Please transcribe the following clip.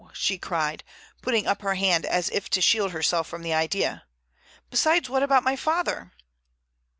she cried, putting up her hand as if to shield herself from the idea. "Besides, what about my father?"